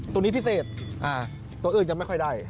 ตัวนี้พิเศษตัวอื่นยังไม่ค่อยได้